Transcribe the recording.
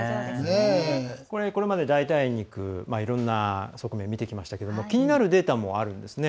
これまで代替肉いろいろな側面を見てきましたけれども気になるデータもあるんですね。